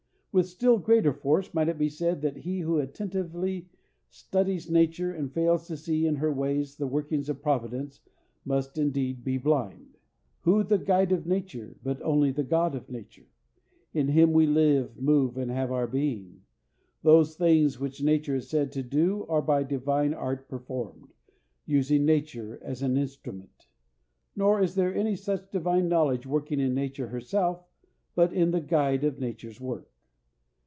With still greater force might it be said that he who attentively studies nature and fails to see in her ways the workings of Providence must, indeed, be blind. Who the guide of nature, but only the God of nature? In him we live, move, and have our being. Those things which nature is said to do are by divine art performed, using nature as an instrument. Nor is there any such divine knowledge working in nature herself, but in the guide of nature's work.